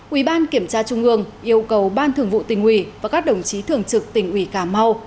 ubnd tp hcm yêu cầu ban thưởng vụ tình hủy và các đồng chí thường trực tình hủy cà mau